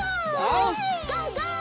ゴー！